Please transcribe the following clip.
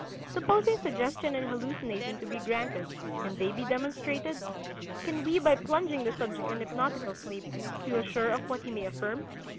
Supposing suggestion and hallucination to be granted, can they be demonstrated? Can we by plunging the subject in hypnotical sleep, feel sure of what he may affirm?